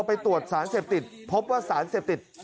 ไปตรวจสารเสพติดพบว่าสารเสพติด